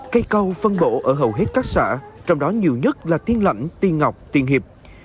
cây câu phân bộ ở hầu hết các xã trong đó nhiều nhất là tiên lãnh tiên ngọc tiên hiệp